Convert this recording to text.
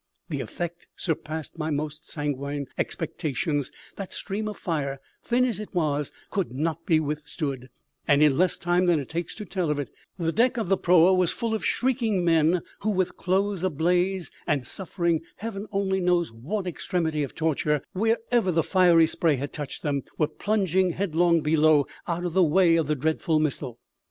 The effect surpassed my most sanguine expectations; that stream of fire, thin as it was, could not be withstood; and in less time than it takes to tell of it the deck of the proa was full of shrieking men, who, with clothes ablaze, and suffering Heaven only knows what extremity of torture wherever the fiery spray had touched them, were plunging headlong below out of the way of the dreadful missile.